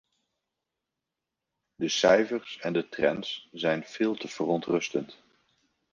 De cijfers en de trends zijn veel te verontrustend.